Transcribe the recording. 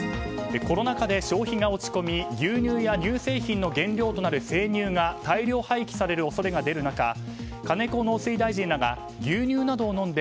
コロナ禍で消費が落ち込み牛乳や乳製品の原料となる生乳が大量廃棄される恐れが出る中金子農水大臣らが牛乳などを飲んで！